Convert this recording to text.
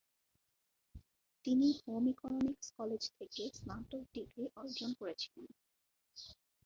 তিনি home economics college থেকে স্নাতক ডিগ্রি অর্জন করেছিলেন।